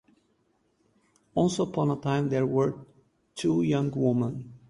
Once upon a time there were two young women.